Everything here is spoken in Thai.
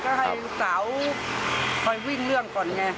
ก็ให้ลูกสาวคอยวิ่งเรื่องก่อนไง